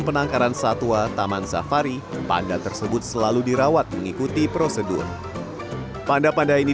penangkaran satwa taman safari pada tersebut selalu dirawat mengikuti prosedur pada pada ini